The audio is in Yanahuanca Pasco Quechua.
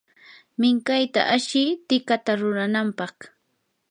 minkayta ashi tikata ruranampaq.